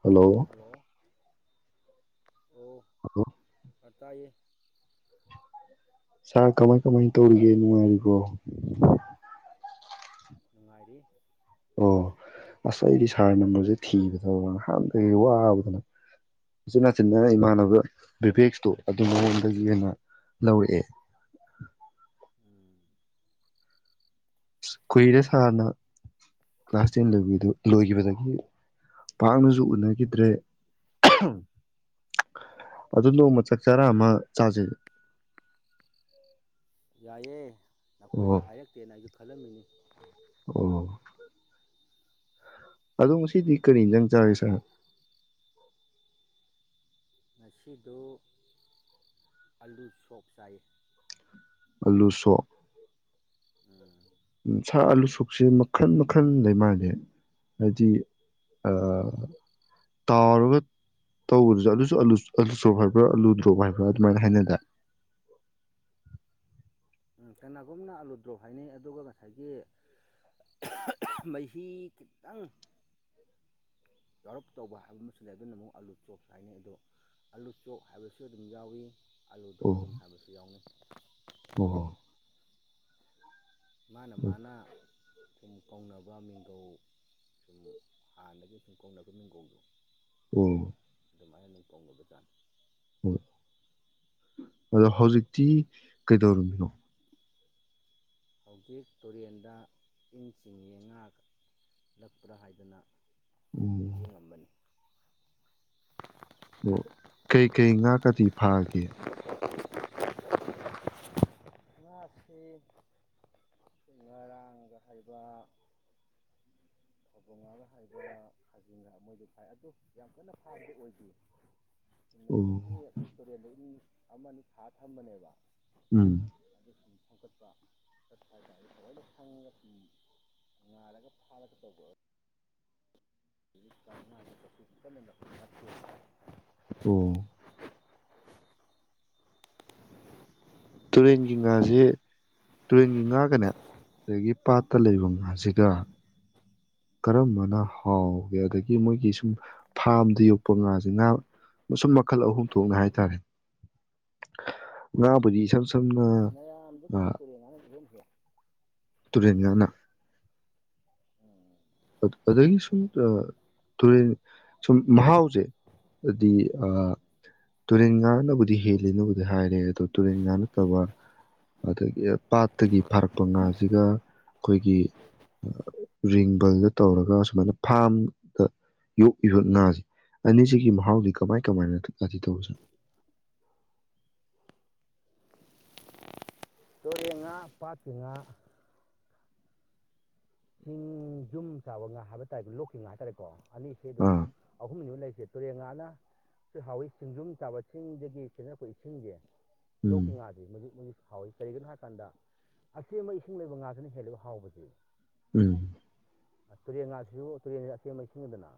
[inaudible] hello hello ꯑꯣ ꯇꯥꯏꯌꯦ sir ꯀꯃꯥꯏ ꯀꯃꯥꯏꯅ ꯇꯧꯔꯤꯒꯦ ꯅꯨꯡꯉꯥꯏꯔꯤꯕꯣ ꯅꯨꯡꯉꯥꯏꯔꯤ ꯑꯣ ꯑꯁ ꯑꯩꯗꯤ ꯁꯥꯔ ꯅꯝꯕꯔꯁꯦ ꯊꯤꯕꯗ ꯅꯍꯥꯟ ꯀꯩꯀ ꯋꯥꯕꯗꯅ ꯏꯆꯤꯟ ꯍꯆꯤꯟꯅ ꯏꯃꯥꯟꯅꯕ ꯚꯦꯚꯦꯛꯁꯇꯣ ꯑꯗꯨ ꯃꯑꯣꯣꯟꯗꯒꯤ ꯍꯦꯟꯅ ꯂꯧꯔꯛꯑꯦ ꯎꯝ ꯀꯨꯏꯔꯦ ꯁꯥꯔꯅ ꯀ꯭ꯂꯥꯁ ꯇꯦꯟ ꯂꯣꯏꯗꯨ ꯂꯣꯏꯈꯤꯕꯗꯒꯤ ꯄꯥꯛꯅꯁꯨ ꯎꯅꯈꯤꯗ꯭ꯔꯦ ꯑꯗꯨ ꯅꯣꯡꯃ ꯆꯥꯛ ꯆꯔꯥ ꯑꯃ ꯆꯥꯖꯩ ꯌꯥꯏꯑꯌꯦ ꯑꯣ ꯅꯈꯣꯏꯅ ꯍꯥꯏꯔꯛꯇꯦꯅ ꯑꯩ ꯈꯜꯂꯝꯃꯤꯅꯤ ꯑꯣ ꯑꯗꯣ ꯉꯁꯤꯗꯤ ꯀꯔꯤ ꯏꯟꯁꯥꯡ ꯆꯥꯔꯒꯦ ꯉꯁꯤꯗ ꯑꯂꯨ ꯁꯣꯞ ꯆꯥꯏꯌꯦ ꯑꯂꯨꯁꯣꯛ ꯎꯝ [inaudible] [unintelligible] ꯎ ꯁꯥꯔ ꯑꯥꯂꯨꯁꯨꯣꯛꯨꯞꯁꯦ ꯃꯈꯟ ꯃꯈꯟ ꯂꯩ ꯃꯥꯜꯅꯦ ꯍꯥꯏꯗꯤ ꯑ ꯇꯥꯎꯔꯒ ꯇꯧꯕꯗꯨꯗ ꯑꯂꯨꯁꯨ ꯑꯂꯨ ꯑꯥꯂꯨ ꯁ꯭ꯔꯣꯞ ꯍꯥꯏꯕ꯭ꯔꯥ ꯑꯥꯂꯨ ꯗ꯭ꯔꯣꯞ ꯍꯥꯏꯕ꯭ꯔꯥ ꯑꯗꯨꯃꯥꯏꯅ ꯍꯥꯏꯅꯗꯥ ꯀꯅꯥꯒꯨꯝꯅ ꯑꯥꯂꯨꯗ꯭ꯔꯣꯞ ꯍꯥꯏꯅꯩ ꯑꯗꯨꯒ ꯉꯁꯥꯏꯒꯤ ꯃꯍꯤ ꯈꯤꯇꯪ ꯌꯥꯎꯔꯞ ꯇꯧꯕ ꯍꯥꯏꯕ ꯑꯃꯁꯨ ꯂꯩ ꯑꯗꯨꯅ ꯑꯃꯨꯛ ꯑꯥꯂꯨ ꯆꯣꯞ ꯍꯥꯏꯅꯩ ꯑꯗꯣ ꯑꯥꯂꯨ ꯆꯣꯞ ꯍꯥꯏꯕꯁꯨ ꯑꯗꯨꯝ ꯌꯥꯎꯏꯤ ꯑꯥꯂꯨ ꯆꯣꯞ ꯑꯣ ꯑꯗꯨꯝ ꯍꯥꯏꯕꯁꯨ ꯌꯥꯎꯅꯩ ꯑꯣ ꯍꯣ ꯃꯥꯅ ꯃꯥꯅ ꯁꯨꯝ ꯀꯧꯅꯕ ꯃꯤꯡꯒꯧ ꯁꯨꯝ ꯍꯥꯟꯅꯗꯒꯤ ꯁꯨꯝ ꯀꯧꯅꯕ ꯃꯤꯡꯒꯧꯗꯣ ꯎꯝ ꯑꯗꯨꯃꯥꯏꯅ ꯗꯨꯝ ꯀꯧꯕ ꯖꯥꯥꯠꯅ ꯑꯣ ꯑꯗꯣ ꯍꯧꯖꯤꯛꯇꯤ ꯀꯩꯗꯧꯔꯝꯃꯤꯅꯣ ꯍꯧꯖꯤꯛ ꯇꯨꯔꯦꯟꯗ ꯏꯟ ꯆꯤꯡꯉꯤ ꯉꯥ ꯂꯛꯄ꯭ꯔꯥ ꯍꯥꯏꯗꯅ ꯌꯦꯡ ꯑꯣ ꯉꯝꯕꯅꯤ ꯑꯣ ꯀꯩꯀꯩ ꯉꯥꯛꯀꯗꯤ ꯐꯥꯒꯦ [inaudible] [unintelligible] ꯉꯥꯁꯤ ꯉꯔꯥꯡꯒ ꯍꯥꯏꯕ ꯐꯥꯕꯣꯡꯉꯥꯒ ꯍꯩꯕ ꯈꯥꯖꯤꯡꯒ ꯍꯥꯢꯕ ꯃꯣꯏꯗꯣ ꯐꯥꯏ ꯑꯗꯨ ꯌꯥꯝ ꯀꯟꯅ ꯐꯥꯕꯗꯨ ꯑꯣꯏꯗꯦ ꯅꯠꯇ꯭ꯔꯀꯤ ꯑꯣ ꯑꯩꯈꯣꯏ ꯇꯨꯔꯦꯟ ꯂꯩꯅꯤ ꯑꯃꯅꯤ ꯊꯥ ꯊꯝꯕꯅꯦꯕ ꯎꯝ ꯑꯗꯨ ꯁꯨꯝ ꯁꯦꯝꯀꯠꯄꯠꯄ ꯍꯥꯏꯇꯥꯔꯗꯤ ꯂꯣꯏꯅ ꯁꯪꯉꯒ ꯁꯨꯝ ꯉꯥꯏꯔꯒ ꯐꯥꯔꯒ ꯇꯧꯕꯕ ꯑꯣ ꯇꯨꯔꯦꯟꯒꯤ ꯉꯥꯁꯦ ꯇꯨꯔꯦꯟꯒꯤ ꯉꯥꯒꯅꯦ ꯑꯗꯒꯤ ꯄꯥꯠꯇ ꯂꯩꯕ ꯉꯥꯁꯤꯒ ꯀꯔꯝꯕꯅ ꯍꯥꯎꯒꯦ ꯑꯗꯒꯤ ꯃꯣꯏꯒꯤ ꯁꯨꯝ ꯐꯥꯔꯝꯗ ꯌꯣꯛꯄ ꯉꯥꯁꯦ ꯉꯥ ꯃꯁꯨꯝ ꯃꯈꯜ ꯑꯍꯨꯝ ꯊꯣꯛꯅ ꯍꯥꯏꯇꯥꯔꯦ ꯉꯥꯕꯨꯗꯤ ꯏꯁꯝ ꯁꯝꯅ ꯃꯌꯥꯝ ꯗꯩꯗꯤ ꯇꯨꯔꯦꯜ ꯉꯥꯅꯥ ꯏꯍꯦꯟ ꯍꯦꯟꯂꯦ ꯇꯨꯔꯦꯟ ꯉꯥꯅ ꯑꯗꯒꯤ ꯁꯨꯝ ꯇꯨꯔꯦꯟ ꯁꯨꯝ ꯃꯍꯥꯎꯁꯦꯗꯤ ꯇꯨꯔꯦꯟ ꯉꯥꯅꯕꯨꯗꯤ ꯍꯦꯂꯦꯅꯕꯨꯗꯤ ꯍꯥꯏꯔꯦ ꯑꯗꯣ ꯇꯨꯔꯦꯟ ꯉꯥ ꯅꯠꯇꯕ ꯑꯗꯒꯤ ꯄꯥꯠꯇꯒꯤ ꯐꯥꯔꯛꯄ ꯉꯥꯁꯤꯒ ꯑꯩꯈꯣꯏꯒꯤ ꯔꯤꯡꯕꯜꯗ ꯇꯧꯔꯒ ꯁꯨꯃꯥꯏꯅ ꯐꯥꯔꯝꯗ ꯌꯣꯛꯏꯕ ꯉꯥꯁꯦ ꯑꯅꯤꯁꯤꯒꯤ ꯃꯍꯥꯎꯗꯤ ꯀꯃꯥꯏ ꯀꯃꯥꯏꯅꯗꯤ ꯇꯧꯕꯁꯦ ꯇꯨꯔꯦꯜ ꯉꯥ ꯄꯥꯠꯀꯤ ꯉꯥ ꯁꯤꯡ ꯌꯨꯝ ꯆꯥꯕ ꯉꯥ ꯍꯥꯏꯕ ꯇꯥꯦꯣ ꯂꯣꯛꯈꯤꯕ ꯉꯥ ꯍꯥꯏꯇꯥꯔꯦꯀꯣ ꯑꯅꯤ ꯁꯦ ꯑꯗꯨꯝ ꯑꯥ ꯑꯍꯨꯝꯅꯦꯕ ꯂꯩꯥꯏꯁꯤ ꯇꯨꯔꯦꯟ ꯉꯥꯅ ꯍꯥꯎꯋꯤ ꯆꯤꯡꯖꯨꯝ ꯆꯥꯕ ꯆꯤꯡꯗꯒꯤ ꯆꯦꯟꯊꯔꯛꯄ ꯏꯁꯤꯡꯁꯦ ꯎꯝ ꯂꯧꯀꯤ ꯉꯗꯤ ꯍꯥꯎꯏ ꯀꯔꯤꯒꯤꯅꯣ ꯍꯥꯏ ꯀꯥꯟꯗ ꯑꯆꯦꯟꯕ ꯏꯁꯤꯡ ꯂꯩꯕ ꯉꯥꯁꯤꯅ ꯍꯦꯜꯂꯕ ꯍꯥꯎꯕꯁꯦ ꯎꯝ ꯇꯨꯔꯦꯟ ꯉꯥꯁꯤꯁꯨ ꯇꯨꯔꯦꯟꯁꯤ ꯑꯆꯦꯟꯕ ꯏꯁꯤꯡꯗꯅ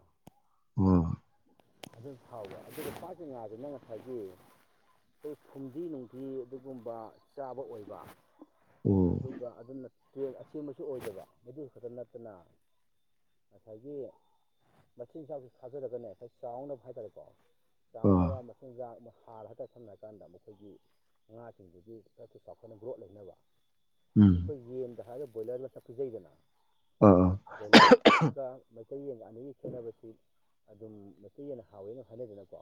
ꯑꯥ ꯑꯗꯨꯝ ꯍꯥꯎꯕ ꯑꯗꯨꯒ ꯄꯥꯀꯤ ꯉꯥꯁꯤꯅ ꯉꯁꯥꯏꯒꯤ ꯑꯩꯈꯣꯏ ꯐꯨꯝꯗꯤ ꯅꯨꯡꯗꯤ ꯑꯗꯨꯒꯨꯝꯕ ꯆꯥꯕ ꯑꯣꯏꯕ ꯑꯣ ꯑꯗꯨꯒ ꯑꯗꯨꯅ ꯇꯨꯔꯦꯟ ꯑꯆꯦꯟꯕꯁꯨ ꯑꯣꯏꯗꯕ ꯑꯗꯨ ꯈꯛꯇ ꯅꯠꯇꯅ ꯉꯁꯥꯏꯒꯤ ꯃꯆꯤꯟꯖꯥꯛꯁꯨ ꯊꯥꯗꯔꯒꯅꯦ ꯉꯁꯥꯏ ꯆꯥꯎꯅꯕ ꯍꯥꯏꯇꯥꯔꯦꯀꯣ ꯑꯥ ꯆꯥꯎꯅꯕ ꯃꯆꯤꯟꯖꯥꯛ ꯑꯃ ꯍꯥꯔ ꯍꯥꯏꯇꯥꯔꯦ ꯁꯝꯅꯔꯀꯥꯟꯗ ꯃꯈꯣꯏꯒꯤ ꯉꯥꯁꯤꯡꯗꯨꯗꯤ ꯈꯔꯊꯨꯅ ꯆꯥꯎꯈꯠꯅ ꯒ꯭ꯔꯣꯠ ꯂꯩꯅꯕ ꯎꯝ ꯑꯩꯈꯣꯏ ꯌꯦꯟꯗ ꯍꯥꯏꯔꯒ ꯕꯣꯏꯂꯔ ꯃꯆꯥ ꯄꯤꯖꯩꯗꯅ ꯑꯥ ꯑꯥ ꯕꯣꯏꯂꯔꯒ ꯃꯩꯇꯩ ꯌꯦꯟ ꯑꯅꯤꯒꯤ ꯈꯦꯠꯅꯕꯁꯤ ꯑꯗꯨꯝ ꯃꯩꯇꯩ ꯌꯦꯟꯅ ꯍꯥꯎꯋꯦꯅ ꯍꯥꯏꯅꯩꯗꯅꯀꯣ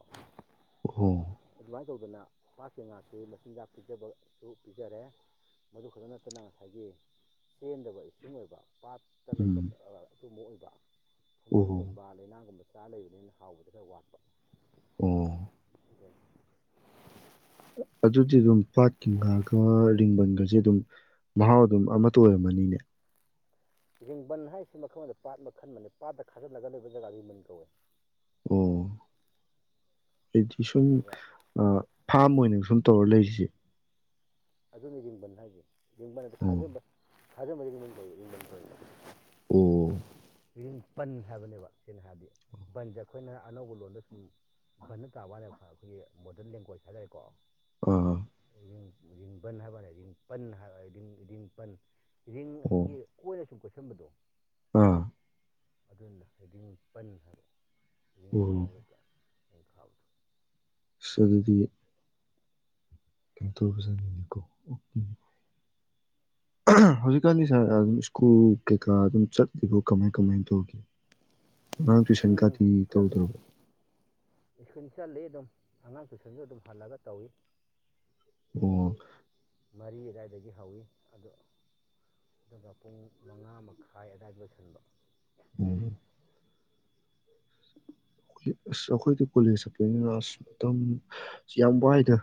ꯑꯣ ꯑꯗꯨꯃꯥꯏꯅ ꯇꯧꯗꯅ ꯄꯥꯠꯀꯤ ꯉꯥꯁꯤ ꯃꯆꯤꯟꯖꯥꯛ ꯄꯤꯖꯕꯁꯨ ꯄꯤꯖꯔꯦ ꯃꯗꯨ ꯈꯛꯇ ꯅꯠꯇꯅ ꯉꯁꯥꯏꯒꯤ ꯆꯦꯟꯗꯕ ꯏꯁꯤꯡ ꯑꯣꯏꯕ ꯄꯥꯠꯇ ꯎꯝ ꯂꯩꯕ ꯑꯗꯨꯃ ꯑꯣꯏꯕ ꯑꯣ ꯐꯨꯝꯗꯤꯒꯨꯝꯕ ꯂꯩꯅꯥꯡꯒꯨꯝꯕ ꯁꯥ ꯂꯩꯕꯅꯤꯅ ꯍꯥꯎꯕꯗꯤ ꯈꯔ ꯋꯥꯠꯄ ꯑꯣ ꯑꯗꯨꯗꯤ ꯑꯗꯨꯝ ꯄꯥꯠꯀꯤ ꯉꯥꯒ ꯔꯤꯡꯕꯟꯒꯁꯦ ꯑꯗꯨꯝ ꯃꯍꯥꯎ ꯑꯗꯨꯝ ꯑꯃꯠꯇ ꯑꯣꯏꯔꯝꯒꯅꯤꯅꯦ ꯔꯤꯡꯕꯟ ꯍꯥꯏꯁꯤ ꯃꯈꯜ ꯑꯃꯗ ꯄꯥꯠ ꯃꯈꯟ ꯃꯅꯦ ꯄꯥꯠꯇ ꯈꯥꯖꯤꯜꯂꯒ ꯂꯩꯕ ꯖꯒꯥꯗꯨ ꯔꯤꯡꯕꯟ ꯀꯧꯋꯦ ꯑꯣ ꯑꯩꯗꯤ ꯁꯨꯝ ꯑꯗꯨꯒ ꯑ ꯐꯥꯝ ꯑꯣꯏꯅ ꯁꯨꯝ ꯇꯧꯔ ꯂꯩꯔꯤꯁꯦ ꯑꯗꯨꯅꯦ ꯔꯤꯡꯕꯟ ꯍꯥꯏꯁꯦ ꯔꯤꯡꯕꯟ ꯍꯥꯏꯗꯤ ꯑꯣ ꯈꯖꯟꯕ ꯈꯖꯟꯕꯁꯦ ꯔꯤꯡꯕꯟ ꯀꯧꯑꯦ [inaudible] ꯑꯣ ꯔꯤꯡꯄꯟ ꯍꯥꯏꯕꯅꯦꯕ ꯁꯦꯡꯅ ꯍꯥꯏꯔꯗꯤ ꯕꯟꯁꯦ ꯑꯩꯈꯣꯏꯅ ꯑꯅꯧꯕ ꯂꯣꯟꯗ ꯁꯨꯝ ꯕꯟꯗ ꯇꯥꯕ ꯋꯥꯅꯦꯕ ꯑꯩꯈꯣꯏꯒꯤ ꯃꯣꯗ꯭ꯔꯟ ꯂꯦꯡꯒ꯭ꯋꯦꯖ ꯍꯥꯏꯇꯥꯔꯦꯀꯣ ꯑ ꯔꯤꯡꯕꯟ ꯍꯥꯏꯕꯅꯦ ꯔꯤꯡꯄꯟ [inaudible] ꯔꯤꯡꯄꯟ ꯎꯝ ꯁꯟꯕꯗꯣ ꯑꯥ ꯑꯗꯨꯅ [inaudible] ꯔꯤꯡꯄꯟ ꯍꯥꯏꯕ ꯌꯤꯡꯒꯤ ꯑꯣ ꯃꯑꯣꯡꯗ ꯇ ꯍ ꯈꯥꯎꯗ ꯁ ꯑꯩꯗꯤ ꯀꯩ [inaudible] ꯇꯧꯕ [inaudible] ꯅꯦꯀꯣ ꯑꯣꯀꯦ ꯍꯧꯖꯤꯛꯀꯥꯟꯗꯤ ꯁꯥꯔ ꯑꯗꯨꯝ ꯁ꯭ꯀꯨꯜ ꯀꯩꯀꯥ ꯑꯗꯨꯝ ꯆꯠꯂꯤꯕꯣ ꯀꯃꯥꯏ ꯀꯃꯥꯏ ꯇꯧꯒ ꯎꯝ ꯆꯠꯂꯤ ꯁ꯭ꯀꯨꯜ ꯆꯠꯂꯤ ꯑꯗꯨꯝ ꯑꯉꯥꯡ ꯇ꯭ꯨꯏꯁꯟꯁꯨ ꯑꯗꯨꯝ ꯍꯜꯂꯒ ꯇꯧꯏ ꯑꯣ ꯄꯨꯡ ꯃꯔꯤ ꯑꯗꯥꯏꯗꯒꯤ ꯍꯧꯋꯤ ꯑꯗꯣ ꯑꯗꯨꯒ ꯄꯨꯡ ꯃꯉꯥ ꯃꯈꯥꯏ ꯑꯗꯨꯋꯥꯏꯗ ꯂꯣꯏꯁꯤꯟꯕ ꯎꯝ ꯑꯁ ꯑꯩꯈꯣꯏꯗꯤ ꯀꯣꯂꯦꯖ ꯆꯠꯄꯅꯤꯅ ꯑꯁ ꯃꯇꯝ ꯌꯥꯝ ꯋꯥꯏꯗ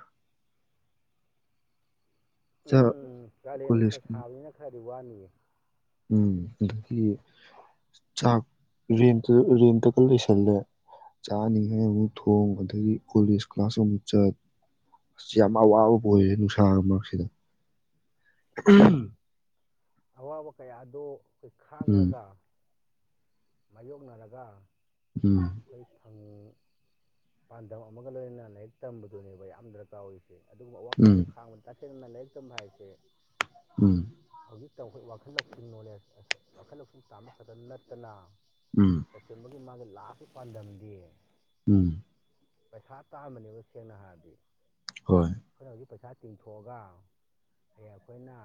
ꯎꯝ ꯎꯝ ꯀꯥꯂꯦꯟ ꯅꯨꯡꯁꯥ ꯀꯣꯂꯦꯖꯀꯤ ꯁꯥꯕꯅꯤꯅ ꯈꯔꯗꯤ ꯋꯥꯅꯤ ꯎꯦ ꯎꯝ ꯑꯗꯒꯤ ꯆꯥꯛ ꯔꯦꯟ ꯔꯦꯟꯇꯒ ꯂꯩꯁꯜꯂꯦ ꯆꯥꯅꯤꯉꯥꯏ ꯑꯃꯨꯛ ꯊꯣꯡ ꯑꯗꯒꯤ ꯀꯣꯂꯦꯖ ꯀ꯭ꯂꯥꯁ ꯑꯃꯨꯛ ꯆꯠ ꯑ ꯌꯥꯝ ꯑꯋꯥꯕꯕꯨ ꯑꯣꯏꯔꯦ ꯅꯨꯡꯁꯥ ꯃꯔꯛꯁꯤꯗ ꯑꯋꯥꯕ ꯀꯌꯥꯗꯣ ꯑꯩꯈꯣꯏ ꯎꯝ ꯈꯥꯡꯉꯒ ꯃꯥꯌꯣꯛꯅꯔꯒ ꯎꯝ ꯑꯩꯈꯣꯏ ꯊꯝ ꯄꯥꯟꯗꯝ ꯑꯃꯒ ꯂꯣꯏꯅꯅ ꯂꯥꯏꯔꯤꯛ ꯇꯝꯕꯗꯨꯅꯦꯕ ꯌꯥꯝ ꯗꯔꯀꯥꯔ ꯑꯣꯏ ꯑꯦ ꯑꯗꯨꯒꯨꯝꯕ ꯋꯥ ꯎꯝ ꯀꯌꯥꯗꯣ ꯈꯥꯡꯕ ꯇꯥ ꯁꯦꯡꯅ ꯂꯥꯏꯔꯤꯛ ꯇꯝꯕ ꯍꯥꯏꯁꯦ ꯎꯝ ꯇ ꯑꯩꯈꯣꯏ ꯋꯥꯈꯜ ꯂꯧꯁꯤꯡ ꯅꯣꯂꯦꯖ ꯋꯥꯈꯜ ꯂꯧꯁꯤꯡ ꯇꯥꯟꯕ ꯈꯛꯇꯪ ꯅꯠꯇꯅ ꯎꯝ ꯇꯁꯦꯡꯃꯒꯤ ꯃꯥꯒꯂ ꯂꯥꯁ [unintelligible] ꯄꯥꯟꯗꯝꯗꯤ ꯎꯝ ꯄꯩꯁꯥ ꯇꯥꯕꯅꯦꯕ ꯁꯦꯡꯅ ꯍꯥꯏꯔꯗꯤ ꯍꯣꯏ ꯈꯣꯏꯅ ꯍꯖꯤꯛ [unintelligible] ꯇꯤꯡꯊꯣꯛꯑꯒ ꯍꯌꯦꯡ ꯑꯩꯈꯣꯏꯅ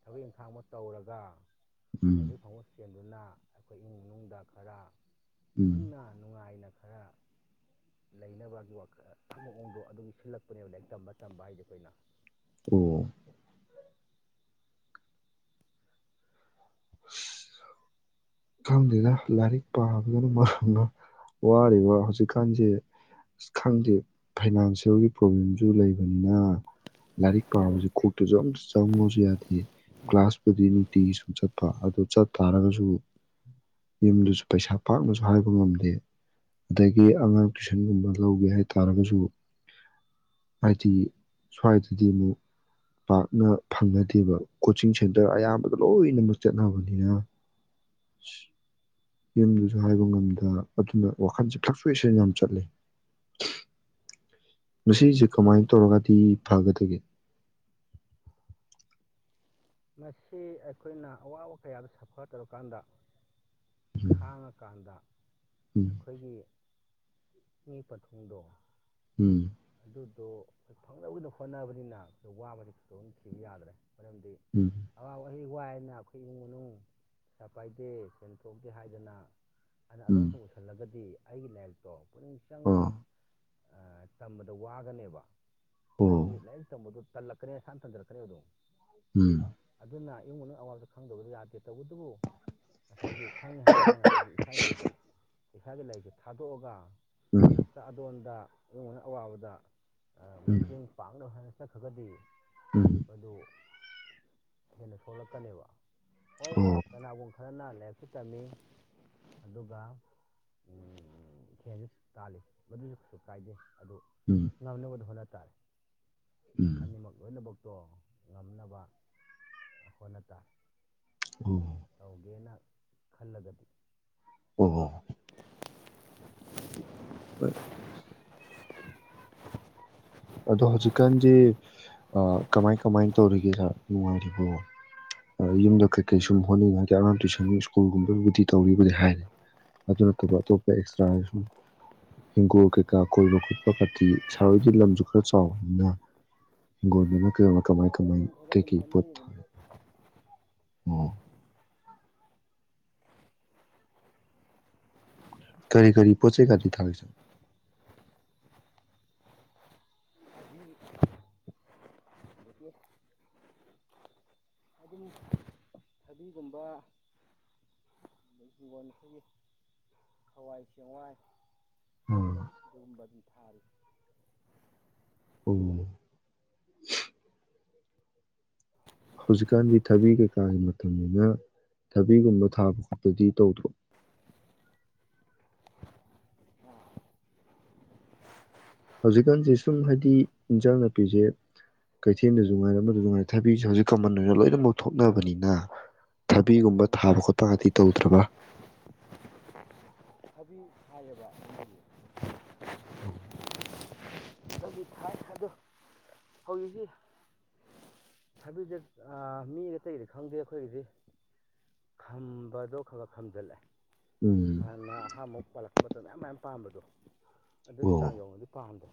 ꯊꯕꯛ ꯏꯪꯈꯥꯡꯃ ꯇꯧꯔꯒ ꯎꯝ ꯋꯥꯖꯦ ꯐꯪꯉꯣꯏ ꯆꯦꯟꯗꯨꯅ ꯑꯩꯈꯣꯏ ꯏꯃꯨꯡ ꯃꯅꯨꯡꯗ ꯈꯔ ꯎꯝ ꯏꯪꯅ ꯅꯨꯡꯏꯅ ꯈꯔ ꯂꯩꯅꯕꯒꯤ ꯋꯥꯈꯜ ꯃꯑꯣꯡꯗꯣ ꯑꯗꯨꯒꯤ ꯁꯤꯜꯂꯛꯄꯅꯦꯕ ꯂꯥꯏꯔꯤꯛ ꯇꯝꯕ ꯇꯝꯕ ꯍꯥꯏꯗꯤ ꯑꯩꯈꯣꯏꯅ ꯑꯣ ꯑꯁ ꯈꯪꯗꯦꯗ ꯂꯥꯏꯔꯤꯛ ꯄꯥꯕꯗꯨꯅ ꯃꯔꯝ ꯋꯥꯔꯤꯕ ꯍꯧꯖꯤꯛꯀꯥꯟꯁꯦ ꯑꯁ ꯈꯪꯗꯦ ꯐꯥꯏꯅꯥꯟꯁꯤꯌꯦꯜꯒꯤ ꯄ꯭ꯔꯣꯕ꯭ꯂꯦꯝꯁꯨ ꯂꯩꯕꯅꯤꯅ ꯂꯥꯏꯔꯤꯛ ꯄꯥꯕꯕꯁꯤ ꯀꯣꯛꯇꯁꯨ ꯑꯝꯇ ꯆꯪꯉꯁꯨ ꯌꯥꯗꯦ ꯀ꯭ꯂꯥꯁꯄꯨꯗꯤ ꯅꯨꯡꯇꯤꯒꯤ ꯁꯨꯝ ꯆꯠꯄ ꯑꯗꯨ ꯆꯠ ꯇꯥꯔꯒꯁꯨ ꯌꯨꯝꯗꯁꯨ ꯄꯩꯁꯥ ꯄꯥꯛꯅꯁꯨ ꯍꯥꯏꯕ ꯉꯝꯗꯦ ꯑꯗꯒꯤ ꯑꯉꯥꯡ ꯇ꯭ꯏꯁꯟꯒꯨꯝꯕ ꯂꯧꯒꯦ ꯍꯥꯏꯇꯥꯔꯒꯁꯨ ꯍꯥꯏꯗꯤ ꯁ꯭ꯋꯥꯏꯗꯗꯤ ꯑꯃꯨꯛ ꯄꯥꯛꯅ ꯐꯪꯅꯗꯦꯕ ꯀꯣꯆꯤꯡ ꯁꯦꯟꯇꯔ ꯑꯌꯥꯝꯕꯗ ꯂꯣꯏꯅꯃꯛ ꯆꯠꯅꯕꯅꯤꯅ ꯌꯨꯝꯗꯨꯁꯨ ꯍꯥꯏꯕ ꯉꯝꯗ ꯑꯗꯨꯗ ꯋꯥꯈꯜꯁꯦ ꯈꯛ ꯁꯣꯏꯁ ꯌꯥꯝ ꯆꯠꯂꯤ ꯃꯁꯤꯁꯤꯁꯦ ꯀꯃꯥꯏꯅ ꯇꯧꯔꯒꯗꯤ ꯐꯒꯗꯒꯦ ꯃꯁꯤ ꯑꯩꯈꯣꯏꯅ ꯑꯋꯥꯕ ꯀꯌꯥꯗ ꯁꯐꯔ ꯇꯧꯔꯀꯥꯟꯗ ꯈꯥꯡꯉꯀꯥꯟꯗ ꯎꯝ ꯑꯩꯈꯣꯏꯒꯤ ꯃꯤ ꯄꯊꯨꯡꯗꯣ ꯎꯝ ꯑꯗꯨꯗꯣ ꯑꯩꯈꯣꯏ ꯐꯪꯅꯕꯒꯤꯅ ꯍꯣꯠꯅꯕꯅꯤꯅ ꯑꯩꯈꯣꯏ ꯋꯥꯕꯗꯤ ꯊꯨꯗꯣꯛꯅ ꯊꯤꯕ ꯌꯥꯗ꯭ꯔꯦ ꯃꯔꯝꯗꯤ ꯎꯝ ꯑꯋꯥ ꯑꯩ ꯋꯥꯏꯅ ꯑꯩꯈꯣꯏ ꯏꯃꯨꯡ ꯃꯅꯨꯡ ꯄꯩꯁꯥ ꯄꯥꯏꯗꯦ ꯁꯦꯟ ꯊꯣꯛꯣꯛꯇꯦ ꯍꯥꯏꯗꯅ ꯑꯗ ꯎꯝ ꯑꯗꯣꯝꯁꯨ ꯎꯁꯜꯂꯒꯗꯤ ꯑꯗꯒꯤ ꯂꯥꯏꯔꯤꯛꯇꯣ ꯄꯨꯛꯅꯤꯡ ꯆꯪꯅ ꯑꯥ ꯑ ꯇꯝꯕꯗ ꯋꯥꯒꯅꯦꯕ ꯑꯣ ꯍꯥꯏꯗꯤ ꯂꯥꯏꯔꯤꯛ ꯇꯝꯕꯗꯣ ꯇꯜꯂꯛꯀꯅꯦ ꯅꯁꯥꯅ ꯇꯟꯖꯔꯛꯀꯅꯦꯕ ꯑꯗꯨꯝ ꯎꯝ ꯑꯗꯨꯅ ꯏꯃꯨꯡꯅ ꯑꯋꯥꯕꯗ ꯈꯪꯗꯕꯗꯤ ꯌꯥꯗꯦ ꯇꯧꯕꯇꯕꯨ ꯉꯁꯥꯏꯒꯤ ꯈꯪꯉꯦ ꯍꯥꯏꯗꯅ ꯉꯁꯥꯏꯒꯤ ꯏꯁꯥꯒꯤ ꯂꯥꯏꯔꯤ ꯏꯁꯥꯒꯤ ꯂꯥꯏꯔꯤꯛꯇꯨ ꯊꯥꯗꯣꯛꯑꯒ ꯎꯝ ꯍꯦꯛꯇ ꯑꯗꯣꯟꯗ ꯏꯃꯨꯡꯅ ꯑꯋꯥꯕꯗ ꯎꯝ ꯃꯇꯦꯡ ꯄꯥꯡꯅꯕ ꯍꯥꯏꯅ ꯆꯠꯈ꯭ꯔꯒꯗꯤ ꯎꯝ ꯃꯗꯨ ꯍꯦꯟꯅ ꯁꯣꯛꯂꯛꯀꯅꯦꯕ ꯍꯣꯏ ꯑꯣ ꯀꯅꯥꯒꯨꯝꯕ ꯈꯔꯅ ꯂꯥꯏꯔꯤꯛꯁꯨ ꯇꯝꯃꯤ ꯑꯗꯨꯒ ꯁꯦꯟꯁꯨ ꯇꯥꯜꯂꯤ ꯃꯗꯨꯁꯨ ꯀꯩꯁꯨ ꯀꯥꯏꯗꯦ ꯑꯗꯨ ꯎꯝ ꯉꯝꯅꯕꯗ ꯍꯣꯠꯅ ꯇꯥꯔꯦ ꯎꯝ ꯑꯅꯤꯃꯛ ꯂꯣꯏꯅꯕꯛ ꯇꯣ ꯉꯝꯅꯕ ꯍꯣꯠꯅ ꯇꯥꯏ ꯑꯣ ꯇꯧꯒꯦꯅ ꯈꯜꯂꯒꯗꯤ ꯑꯣ ꯍꯣ ꯑꯗꯣ ꯍꯧꯖꯤꯛꯀꯥꯟꯖꯦ ꯑ ꯀꯃꯥꯏ ꯀꯃꯥꯏꯅ ꯇꯧꯔꯤꯒꯦ ꯁꯥꯔ ꯅꯨꯡꯉꯥꯏꯔꯤꯕꯣ ꯌꯨꯝꯗ ꯀꯩꯀꯩ ꯁꯨꯝ ꯎꯝ ꯍꯣꯠꯅꯤꯡꯉꯥꯏ ꯑꯉꯥꯡ ꯇꯨꯏꯁꯟ ꯁ꯭ꯀꯨꯜꯨꯝꯕꯕꯨꯗꯤ ꯇꯧꯕꯤꯕꯨꯗꯤ ꯍꯥꯏꯔꯤ ꯑꯗꯨꯅ ꯑꯇꯣꯞ ꯑꯇꯣꯞꯄ ꯑꯦꯁ [unintelligible] ꯍꯤꯡꯒꯣꯜ ꯀꯩꯀꯥ ꯀꯣꯏꯕ ꯈꯣꯠꯄ ꯀꯥꯇꯤ ꯁꯥ ꯍꯣꯏꯒꯤ ꯂꯝꯁꯨ ꯈꯔ ꯆꯥꯎꯕꯅꯤꯅ ꯍꯤꯡꯒꯣꯜꯗꯨꯅ ꯀ ꯀꯃꯥꯏ ꯍꯣꯏ ꯀꯃꯥꯏ ꯑꯗꯨꯝ ꯈꯔ ꯑꯗꯨꯝ ꯀꯩ-ꯀꯩ ꯄꯣꯠ ꯊꯥ ꯍꯣꯠꯅꯔꯤꯕꯅꯤ [unintelligible] ꯅꯣ ꯀꯔꯤ ꯀꯔꯤ ꯄꯣꯆꯦꯀꯥꯗꯤ ꯊꯒꯦ ꯁ ꯊꯕꯤ ꯑꯗꯒꯤ ꯑꯗꯨꯝ ꯊꯕꯤꯒꯨꯝꯕ ꯍꯤꯡꯒꯣꯟ ꯑꯩꯈꯣꯏꯒꯤ ꯍꯋꯥꯏ ꯆꯦꯡꯋꯥꯏ ꯑꯣ ꯨꯗꯨꯝꯕꯗꯤ ꯊꯥꯔꯤ ꯑꯣ ꯍꯧꯖꯤꯛꯀꯥꯟꯗꯤ ꯊꯕꯤ ꯀꯩꯀꯥꯒꯤ ꯃꯇꯝꯅꯤꯅ ꯊꯕꯤꯒꯨꯝꯕ ꯊꯥꯕ ꯈꯣꯠꯄꯗꯤ ꯇꯧꯗ꯭ꯔꯣ ꯍꯧꯖꯤꯛꯀꯥꯟꯁꯦ ꯁꯨꯝ ꯍꯥꯏꯗꯤ ꯏꯟꯖꯥꯡ ꯅꯥꯄꯤꯁꯦ ꯀꯩꯊꯦꯜꯗ ꯉꯥꯏꯔꯦ ꯅꯨꯡꯉꯥꯏꯔꯦ ꯊꯥꯕꯤꯁꯦ ꯍꯧꯖꯤꯛ ꯀꯃꯟ ꯑꯣꯏꯅ ꯂꯣꯏꯅꯃꯛ ꯊꯣꯛꯅꯕꯅꯤꯅ ꯎꯝ ꯊꯕꯤꯒꯨꯝꯕ ꯎꯝ ꯊꯥꯕ ꯈꯣꯠꯄꯒꯗꯤ ꯇꯧꯗꯔ꯭ ꯕ ꯊꯕꯤ ꯊꯥꯏꯌꯦꯕ ꯅꯣꯏꯒꯤ ꯑ ꯑꯗꯨꯗꯤ ꯊꯥꯏ ꯑꯗꯣ ꯍꯧꯖꯤꯛꯁꯤ ꯊꯕꯤꯁꯦ ꯃꯤ ꯑꯇꯩꯒꯤꯗꯤ ꯈꯪꯗꯦ ꯑꯩꯈꯣꯏꯒꯤꯗꯤ ꯈꯝꯕꯗꯣ ꯈꯔ ꯈꯔ ꯈꯝꯖꯤꯜꯂꯦ ꯎꯝ ꯍꯅ ꯑꯍꯥꯃ ꯄꯂꯛ ꯃꯇꯝ ꯃꯌꯥꯝ ꯃꯌꯥꯝ ꯄꯥꯝꯕꯗꯣ ꯑꯗꯨꯒꯤ ꯆꯥꯡ ꯑꯣ ꯌꯧꯅꯗꯤ ꯄꯥꯝꯗ꯭ꯔꯦ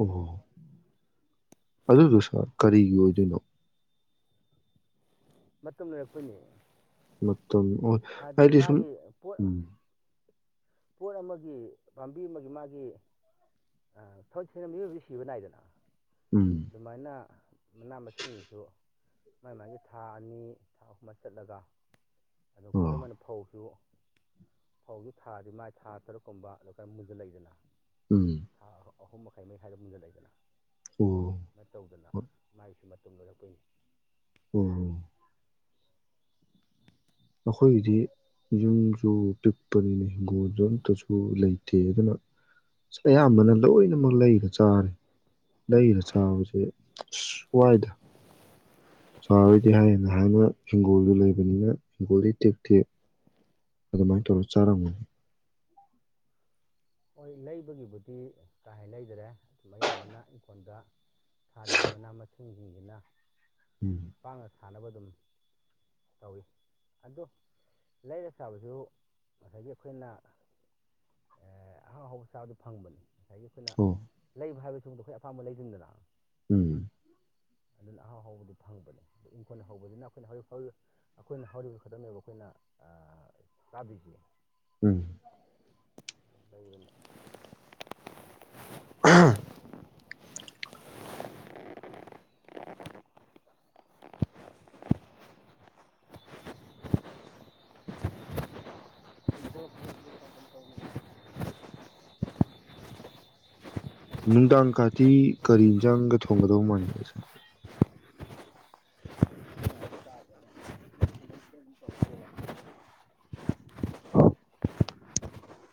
ꯑꯣ ꯑꯗꯨꯗꯣ ꯁꯥꯔ ꯀꯔꯤꯒꯤ ꯑꯣꯏꯗꯣꯏꯅꯣ ꯃꯇꯝꯅꯣꯏ ꯄꯨꯅꯤ ꯃꯇꯝ ꯑꯣ ꯑꯩꯗꯤ ꯁꯨꯝ ꯄꯣꯠ ꯎꯝ ꯄꯣꯠ ꯑꯃꯒꯤ ꯄꯥꯝꯕꯤ ꯑꯃꯒꯤ ꯃꯥꯒꯤ ꯊꯕ ꯁ ꯃꯤꯑꯣꯏꯕꯕꯁꯤ ꯁꯤꯕ ꯅꯥꯏꯗꯅ ꯎꯝ ꯑꯗꯨꯃꯥꯏꯅ ꯃꯅꯥ ꯃꯁꯤꯡꯁꯨ ꯃꯥꯏ ꯃꯥꯒꯤ ꯊꯥ ꯑꯅꯤ ꯊꯥ ꯑꯍꯨꯝ ꯆꯠꯂꯒ ꯑꯗꯨ ꯈꯨꯗꯝ ꯑꯣ ꯑꯣꯏꯅ ꯐꯧꯁꯨ ꯐꯧꯁꯨ ꯊꯥꯗꯤ ꯃꯥꯏ ꯊꯥ ꯇꯔꯨꯛꯀꯨꯝꯕ ꯑꯗꯨ ꯀ ꯃꯨꯟꯖꯜꯂꯛꯏꯗꯅ ꯎꯝ ꯊꯥ ꯑꯍꯨꯝ ꯃꯈꯩ ꯃꯩꯔꯤꯈꯥꯏꯗ ꯃꯨꯟꯖꯂꯩꯗꯅ ꯑꯣ ꯁꯨꯃꯥꯏꯅ ꯇꯧꯗꯅ ꯍꯣꯏ ꯃꯥꯏꯁꯨ ꯃꯠ ꯇꯨꯝꯅꯔꯛꯄꯣꯏꯅꯤ ꯑꯣ ꯑꯩꯈꯣꯏꯒꯤꯗꯤ ꯌꯨꯝꯁꯨ ꯄꯤꯛꯄꯅꯤꯅꯦ ꯍꯤꯡꯒꯣꯜꯁꯨ ꯑꯝꯇꯁꯨ ꯂꯩꯇꯦ ꯑꯗꯨꯅ ꯑꯌꯥꯝꯕꯅ ꯂꯣꯏꯅꯃꯛ ꯂꯩꯔ ꯆꯥꯔꯦ ꯂꯩꯔ ꯆꯥꯕꯁꯦ ꯁ꯭ꯋꯥꯏꯗ ꯆꯥꯔꯣꯏꯗꯤ ꯍꯥꯏꯌꯦꯅ ꯍꯥꯏꯅ ꯍꯤꯡꯒꯣꯜꯗꯨ ꯂꯩꯕꯅꯤꯅ ꯍꯤꯡꯒꯣꯜꯗꯤ ꯇꯦ ꯇꯦꯛ ꯑꯗꯨꯃꯥꯏꯅ ꯇꯧꯔꯒ ꯆꯥꯔꯝꯒꯅꯤ ꯍꯣꯏ ꯂꯩꯕꯒꯤꯕꯨꯗꯤ ꯀꯥꯏ ꯂꯩꯗ꯭ꯔꯦ ꯑꯌꯥꯝꯕꯅ ꯏꯪꯈꯣꯜꯗ ꯊꯥꯔꯤꯕ ꯃꯅꯥ ꯃꯁꯤꯡꯁꯤꯡꯁꯤꯅ ꯎꯝ ꯎꯄꯥꯥꯡꯉ ꯁꯥꯟꯅꯕ ꯑꯗꯨꯝ ꯇꯧꯋꯤ ꯑꯗꯣ ꯂꯩꯥꯏꯔ ꯆꯕꯁꯨ ꯉꯁꯥꯏꯒꯤ ꯑꯩꯈꯣꯏꯅ ꯑ ꯑꯍꯥꯎ ꯍꯥꯎ ꯆꯥꯕꯗꯣ ꯐꯪꯕꯅꯦ ꯉꯁꯥꯏꯒꯤ ꯑꯩꯈꯣꯏꯅ ꯑꯣ ꯂꯩꯕ ꯍꯥꯏꯕꯁꯤ ꯁꯨꯝꯗ ꯑꯩꯈꯣꯏ ꯑꯄꯥꯝꯕ ꯂꯩꯗꯅꯤꯗꯅ ꯎꯝ ꯑꯗꯨꯅ ꯑꯍꯥꯎ ꯍꯧꯕꯗꯤ ꯐꯪꯕꯅꯦ ꯑꯗꯨ ꯏꯪꯈꯣꯜꯅ ꯍꯧꯕꯁꯤꯅ ꯑꯩꯈꯣꯏꯅ ꯍꯧꯔꯤ ꯍꯧꯔꯤ ꯑꯩꯈꯣꯏꯅ ꯍꯧꯔꯤꯕ ꯈꯨꯗꯝꯅꯦꯕ ꯑꯩꯈꯣꯏꯅ ꯑꯥ ꯆꯗꯨꯏꯁꯦ ꯎꯝ [inaudible] ꯑꯗꯣ ꯅꯨꯡꯗꯥꯡ ꯀꯥꯇꯤ ꯀꯔꯤ ꯌꯦꯟꯁꯥꯡꯒ ꯊꯣꯡꯒꯗꯧ ꯃꯥꯟꯒꯦ ꯁꯥꯔ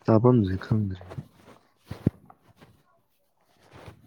ꯇꯥꯐꯝꯁꯦ ꯈꯪꯗ꯭ꯔꯔꯤ